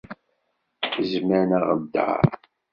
Zzman aɣeddaṛ.